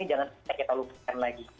ini jangan kita lupakan lagi